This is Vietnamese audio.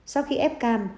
sau khi ép cam